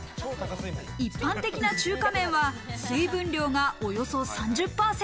一般的な中華麺は水分量がおよそ３０％。